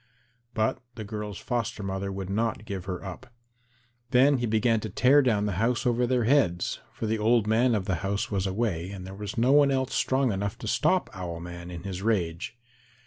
But the girl's foster mother would not give her up. Then he began to tear down the house over their heads, for the old man of the house was away and there was no one else strong enough to stop Owl man in his rage.